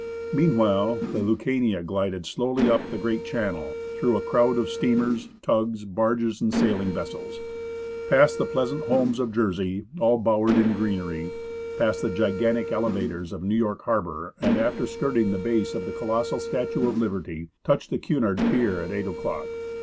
Meanwhile the Lticatiia glided slowly up the great channel, through a crowd of steamers, tugs, barges, and sailing vessels ; past the pleasant homes of Jersey, all bowered in greenery ; past the gigantic elevators of New York harbour, and, after skirting the base of the colossal statue of Liberty, touched the Cunard pier at 8 o'clock.